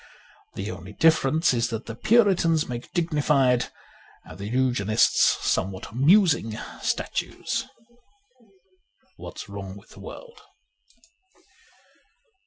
The only difference is that the Puritans make dignified, and the Eu genists somewhat amusing, statues. ' What's Wrong zvith the World.'